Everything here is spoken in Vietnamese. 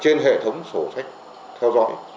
trên hệ thống sổ sách theo dõi